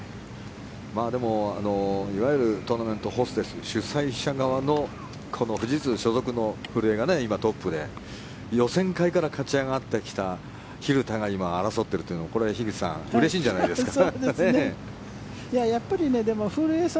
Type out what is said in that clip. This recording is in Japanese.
でもいわゆるトーナメントホステス主催者側の富士通所属の古江が今、トップで予選会から勝ち上がってきた蛭田が今、争っているというのもこれは樋口さんうれしいんじゃないですか。